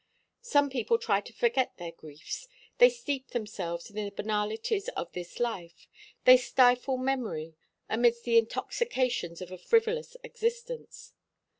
Some people try to forget their griefs; they steep themselves in the banalities of this life; they stifle memory amidst the intoxications of a frivolous existence.